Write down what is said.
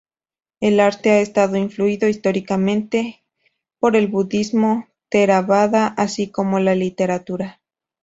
El arte ha estado influido históricamente por el budismo Theravāda, así como la literatura.